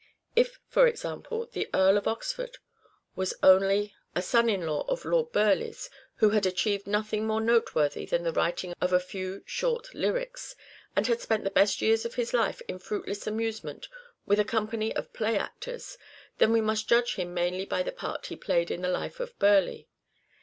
If, for example, the Earl of Oxford was only a 216 "SHAKESPEARE" IDENTIFIED Need for re son in law of Lord Burleigh's, who had achieved nothing more noteworthy than the writing of a few short lyrics, and had spent the best years of his life in fruitless amusement with a company of play actors, then we must judge him mainly by the part he played in the life of Burleigh.